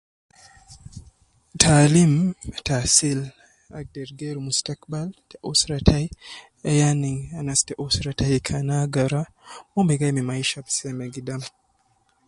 Taalim taasil agder geeru mustakbal te usra tai, yani anas te usra tai kan agara, mon bi gai ma maisha al seme gidam